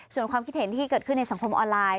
ส่วนความคิดเห็นที่เกิดขึ้นในสังคมออนไลน์